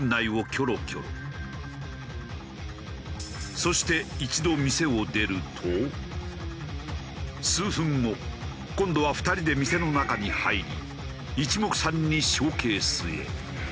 そして数分後今度は２人で店の中に入り一目散にショーケースへ。